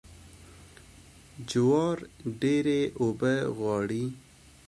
جوار ډیرې اوبه غواړي.